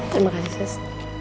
terima kasih sis